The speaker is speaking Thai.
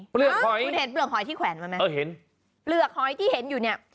เปลือกหอยคุณเห็นเปลือกหอยที่แขวนไหมเปลือกหอยที่เห็นอยู่